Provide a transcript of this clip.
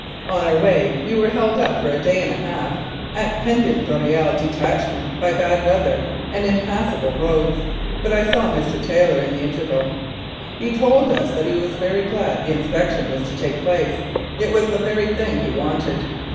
On our way we were held up for a day and a half at Pendant d'Oreille detachment by bad weather and impassable roads, but I saw Mr. Taylor in the interval. He told us he was very glad the inspection was to take place it was the very thing he wanted.